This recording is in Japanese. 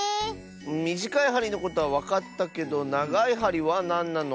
みじかいはりのことはわかったけどながいはりはなんなの？